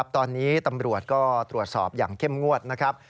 ตอนนี้ตำรวจก็ตรวจสอบอย่างเข้มงวดนะครับ